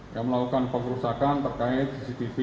yang melakukan pengerusakan terkait cctv